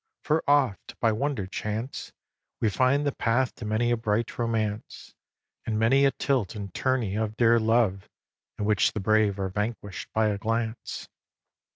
For oft, by wonder chance, We find the path to many a bright romance, And many a tilt and tourney of dear love In which the brave are vanquish'd by a glance.